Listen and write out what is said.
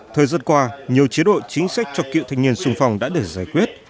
thời gian qua nhiều chế độ chính sách cho cựu thanh niên sung phong đã được giải quyết